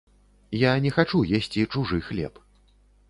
Я не хачу есці чужы хлеб.